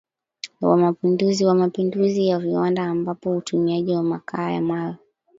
wa mapinduzi ya viwanda ambapo utumiaji wa makaa ya mawe